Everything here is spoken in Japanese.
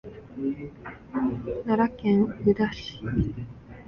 奈良県宇陀市